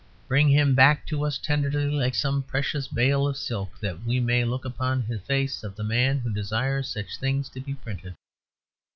Bring him back to us tenderly, like some precious bale of silk, that we may look upon the face of the man who desires such things to be printed.